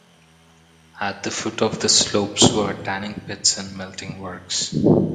At the foot of the slopes were tanning pits and melting works.